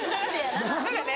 何かね